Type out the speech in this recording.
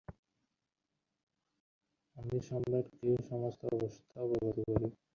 আমি সম্রাটকে সমস্ত অবস্থা অবগত করিব।